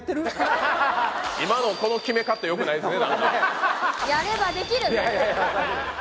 今のこの決めカットよくないですね